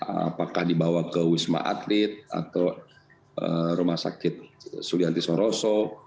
apakah dibawa ke wisma atlet atau rumah sakit sulianti soroso